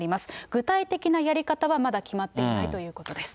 具体的なやり方はまだ決まっていないということです。